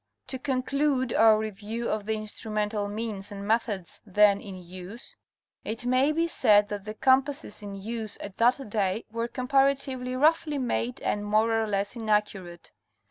To conclude our review of the instrumental means and methods then in use, it may be said that the compasses in use at that day were comparatively roughly made and more or less inaccurate.